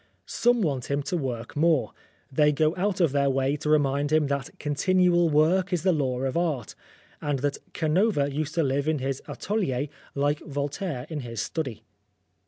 Some want him to work more; they go out of their way to remind him that " continual work is the law of art," and that Canova used to live in his atelier like Voltaire in his study.